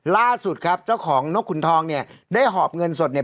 ล่าสุดครับเจ้าของนกขุนทองเนี่ยได้หอบเงินสดเนี่ย